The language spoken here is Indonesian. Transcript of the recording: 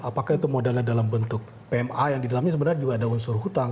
apakah itu modalnya dalam bentuk pma yang di dalamnya sebenarnya juga ada unsur hutang